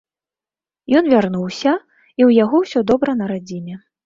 Ён вярнуўся, і ў яго ўсё добра на радзіме.